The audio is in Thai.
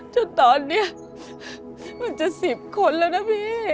จนตอนเนี่ยมันจะสิบคนแล้วนะพี่